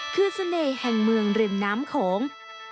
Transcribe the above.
คือเสน่ห์แห่งเมืองริมน้ำโขง